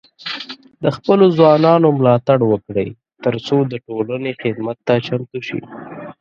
د خپلو ځوانانو ملاتړ وکړئ، ترڅو د ټولنې خدمت ته چمتو شي.